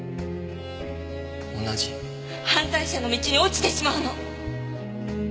犯罪者の道に落ちてしまうの。